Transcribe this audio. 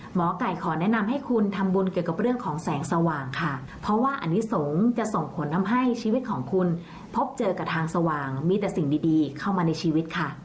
หมอไก่ขอแนะนำให้คุณทำบุญเกี่ยวกับเรื่องของแสงสว่างค่ะเพราะว่าอันนี้สงฆ์จะส่งผลทำให้ชีวิตของคุณพบเจอกับทางสว่างมีแต่สิ่งดีเข้ามาในชีวิตค่ะ